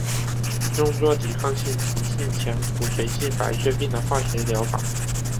用作抵抗性急性前骨髓性白血病的化学疗法。